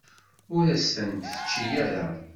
Ur as-ten-tečči ara.